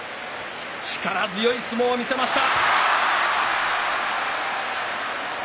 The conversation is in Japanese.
力強い相撲を見せました。